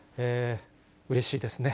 うれしいですね。